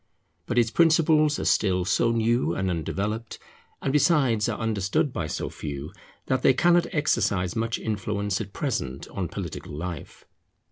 But its principles are still so new and undeveloped, and besides are understood by so few, that they cannot exercise much influence at present on political life.